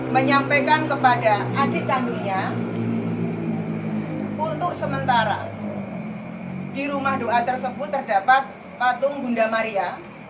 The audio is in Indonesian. menyampaikan kepada adik kandungnya untuk sementara di rumah doa tersebut terdapat patung bunda maria